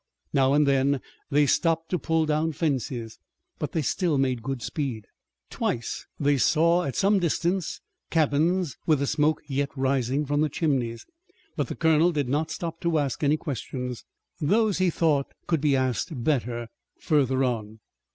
Now and then they stopped to pull down fences, but they still made good speed. Twice they saw at some distance cabins with the smoke yet rising from the chimneys, but the colonel did not stop to ask any questions. Those he thought could be asked better further on.